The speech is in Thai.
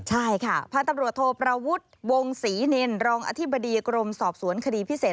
ใช่ค่ะพันธุ์ตำรวจโทประวุฒิวงศรีนินรองอธิบดีกรมสอบสวนคดีพิเศษ